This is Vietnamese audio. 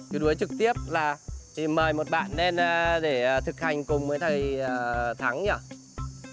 cứu đuối trực tiếp là thì mời một bạn lên để thực hành cùng với thầy thắng nhỉ thầy việt anh